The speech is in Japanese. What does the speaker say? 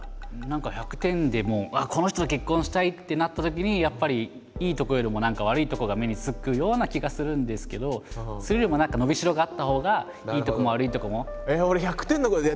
何か１００点でもうこの人と結婚したいってなったときにやっぱりいいとこよりも何か悪いとこが目につくような気がするんですけどそれよりも何か伸びしろがあったほうがいいとこも悪いとこも。